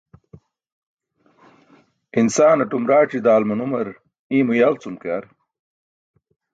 Insaanatum raac̣i daal manumr, iymo yal cum ke ar.